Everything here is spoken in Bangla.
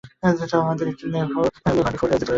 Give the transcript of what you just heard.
আমাদেরও একটু নেভার, বিফোর অনুভব করিয়ে দাও।